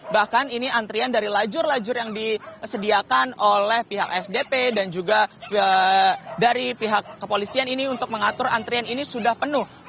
bahkan ini antrian dari lajur lajur yang disediakan oleh pihak sdp dan juga dari pihak kepolisian ini untuk mengatur antrian ini sudah penuh